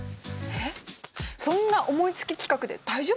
えっそんな思いつき企画で大丈夫ですか？